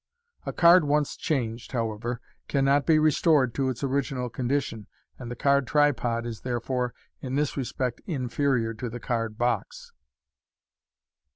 A card once changed, however, cannot be restored to its original condition, and the card tripod is, therefore, in this respect inferior to the card box.